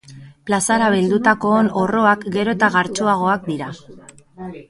Plazara bildutakoon orroak gero eta gartsuagoak dira.